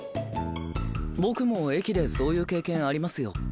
僕も駅でそういう経験ありますよ。